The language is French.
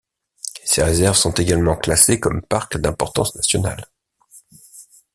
Ces réserves sont également classées comme parc d'importance nationale.